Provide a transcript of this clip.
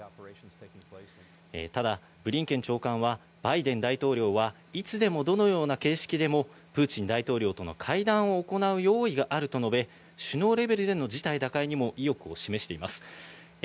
ただブリンケン長官はバイデン大統領はいつでも、どのような形式でもプーチン大統領との会談を行う用意があると述べ、首脳レベルでの事態打開にも意欲を示しています。